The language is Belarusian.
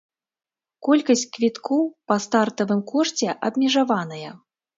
Колькасць квіткоў па стартавым кошце абмежаваная.